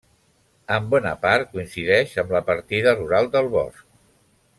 En bona part, coincideix amb la partida rural del Bosc.